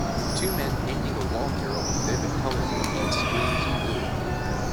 Two men painting a wall mural with vivid colors of pinks, greens and blue.